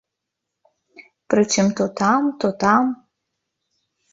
Прычым, то там, то там.